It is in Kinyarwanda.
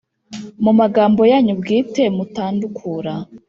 mu magambo yanyu bwite mutandukura